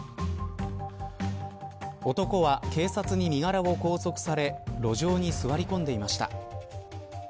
男は警察に身柄を拘束され路上に座り込んでいました。